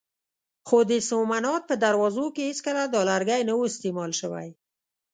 خو د سومنات په دروازو کې هېڅکله دا لرګی نه و استعمال شوی.